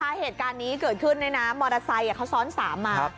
ถ้าเหตุการณ์นี้เกิดขึ้นเนี่ยนะมอเตอร์ไซค์เขาซ้อน๓มา